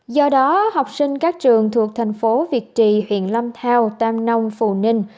do đó học sinh các trường thuộc thành phố việt trì huyện lâm thao tam nông phù ninh